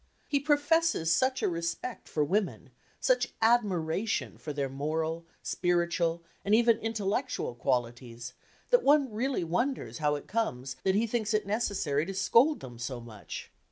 He professes such a respect for women, such admiration for their moral, spiritual and even intellectual qualities, that one really wonders how it comes that he thinks it necessary to scold them so much.